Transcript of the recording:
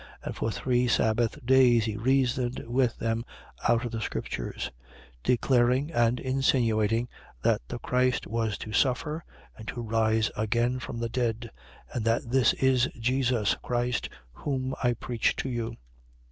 And for three sabbath days he reasoned with them out of the scriptures: 17:3. Declaring and insinuating that the Christ was to suffer and to rise again from the dead; and that this is Jesus Christ, whom I preach to you.